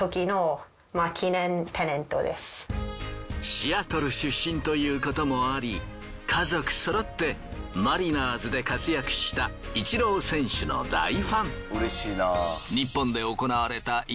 シアトル出身ということもあり家族そろってマリナーズで活躍したイチロー選手の大ファン。